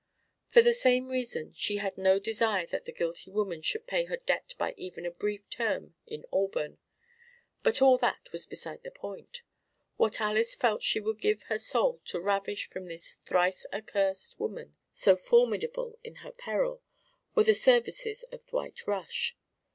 For the same reason, she had no desire that the guilty woman should pay her debt by even a brief term in Auburn; but all that was beside the point. What Alys felt she would give her soul to ravish from this thrice accursed woman, so formidable in her peril, were the services of Dwight Rush.